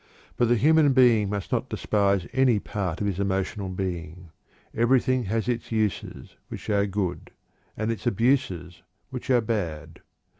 But the human being must not despise any part of his emotional being. Everything has its uses, which are good; and its abuses, which are bad.